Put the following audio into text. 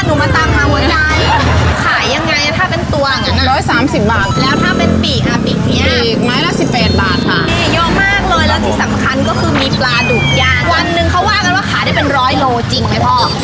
อุ้ยยยยยยยถึงด้วยอะ